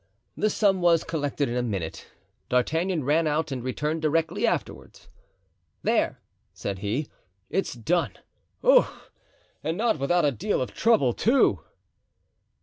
The sum was collected in a minute. D'Artagnan ran out and returned directly after. "There," said he, "it's done. Ough! and not without a deal of trouble, too."